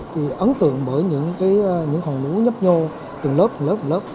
thì ấn tượng bởi những cái hòn nú nhấp nhô từng lớp từng lớp từng lớp